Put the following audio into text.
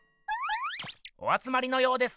おあつまりのようです。